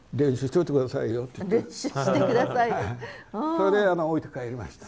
それで置いて帰りました。